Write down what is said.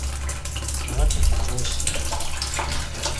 奈良県五條市